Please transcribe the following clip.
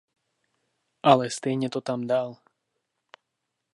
Ale stejně to tam dal.